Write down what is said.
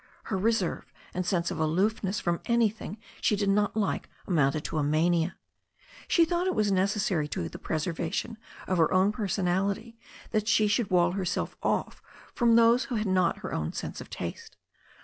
Her reserve and sense of aloofness from anything she did not like amounted to a mania. She thought it was necessary to the preservation of her own personality that she should wall herself off from those who had not her own sense of taste.